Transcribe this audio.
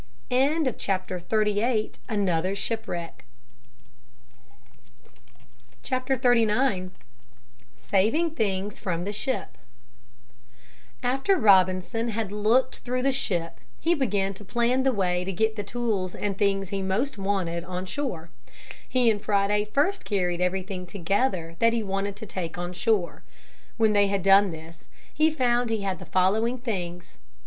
XXXIX SAVING THINGS FROM THE SHIP After Robinson had looked through the ship he began to plan the way to get the tools and things he most wanted on shore. He and Friday first carried everything together that he wanted to take on shore. When they had done this, he found he had the following things.